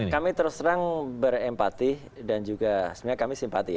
kami segera kembali